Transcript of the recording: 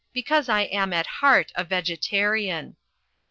Because I am at heart a Vegetarian."